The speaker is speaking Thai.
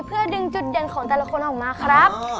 เพื่อดึงจุดเด่นของแต่ละคนออกมาครับ